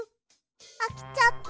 あきちゃった。